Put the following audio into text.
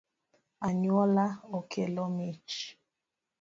Anyuola okelo mich